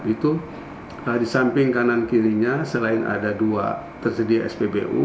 itu di samping kanan kirinya selain ada dua tersedia spbu